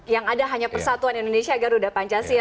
yang ada hanya persatuan indonesia garuda pancasila